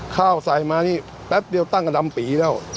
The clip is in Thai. ข้าวใส่มานี่แป๊บเดียวตั้งกระดำปีแล้ว